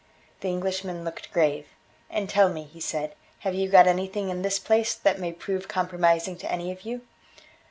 The Englishman looked grave: "And tell me," he said, "have you got anything in this place that may prove compromising to any of you?"